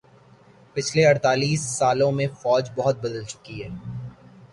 پچھلے اڑتالیس سالوں میں فوج بہت بدل چکی ہے